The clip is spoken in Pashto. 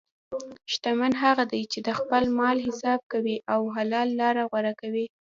شتمن هغه دی چې د خپل مال حساب کوي او حلال لاره غوره کوي.